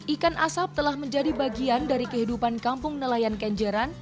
ikan asap telah menjadi bagian dari kehidupan kampung nelayan kenjeran